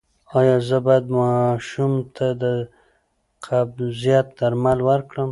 ایا زه باید ماشوم ته د قبضیت درمل ورکړم؟